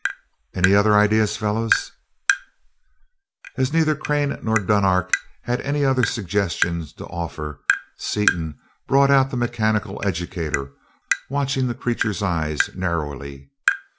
Any other ideas, fellows?" As neither Crane nor Dunark had any other suggestions to offer, Seaton brought out the mechanical educator, watching the creature's eyes narrowly.